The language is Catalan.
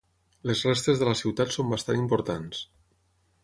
Les restes de la ciutat són bastant importants.